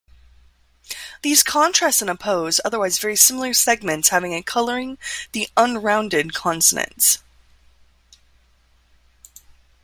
These contrast and oppose otherwise very similar segments having or coloring-the "unrounded" consonants.